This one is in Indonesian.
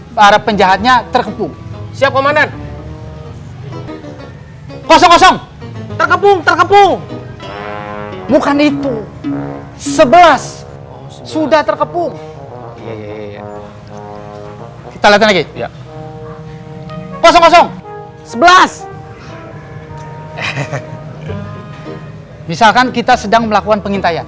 para penjahatnya terkepung